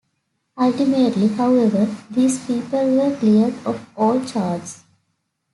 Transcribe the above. Ultimately, however, these people were cleared of all charges.